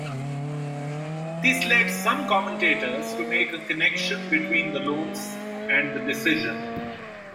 This led some commentators to make a connection between the loans and the decision.